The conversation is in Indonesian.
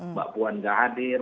mbak puan tidak hadir